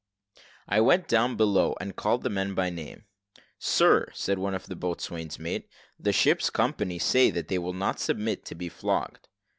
I went down below and called the men by name. "Sir," said one of the boatswain's mates, "the ship's company say that they will not submit to be flogged."